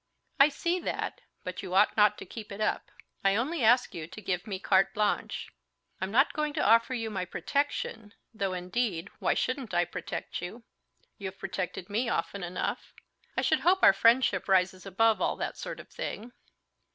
I see that, but you ought not to keep it up. I only ask you to give me carte blanche. I'm not going to offer you my protection ... though, indeed, why shouldn't I protect you?—you've protected me often enough! I should hope our friendship rises above all that sort of thing.